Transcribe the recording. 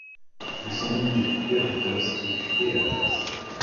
Ils sont nommés Eurytos et Ctéatos.